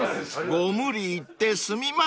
［ご無理言ってすみません］